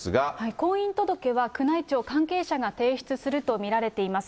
婚姻届は、宮内庁関係者が提出すると見られています。